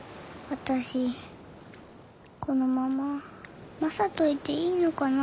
私このままマサといていいのかな？